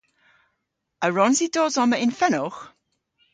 A wrons i dos omma yn fenowgh?